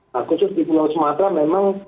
nah khusus di pulau sumatera memang